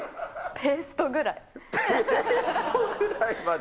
ペーストぐらいまで？